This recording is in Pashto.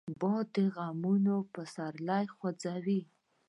باد د غنمو پسر خوځوي